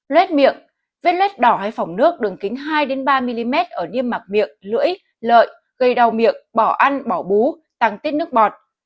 lét miệng vết lết đỏ hay phòng nước đường kính hai ba mm ở niêm mạc miệng lưỡi lợi gây đau miệng bỏ ăn bỏ bú tăng tiết nước bọt